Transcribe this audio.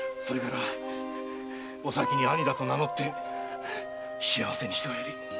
それからおさきに兄だと名乗って幸せにしておやり〕